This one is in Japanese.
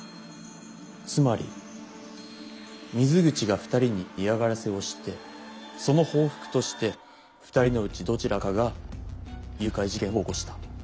つまり水口が２人に嫌がらせをしてその報復として２人のうちどちらかが誘拐事件を起こした。